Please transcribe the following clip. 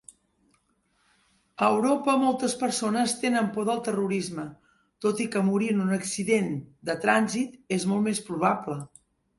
A Europa moltes persones tenen por del terrorisme, tot i que morir en un accident de trànsit és molt més probable.